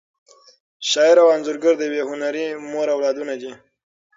شاعر او انځورګر د یوې هنري مور اولادونه دي.